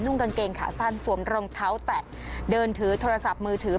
กางเกงขาสั้นสวมรองเท้าแตะเดินถือโทรศัพท์มือถือ